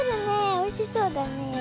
おいしそうだねえ。